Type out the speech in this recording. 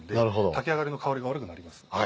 炊き上がりの香りが悪くなります。